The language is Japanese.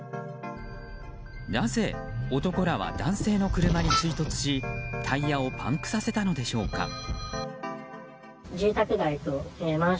なぜ、男らは男性の車に追突しタイヤをパンクさせたのでしょうか。